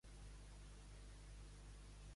Presumit de guapo.